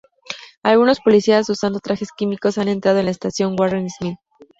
Algunos policías usando trajes químicos han entrado en la estación Warren Smith.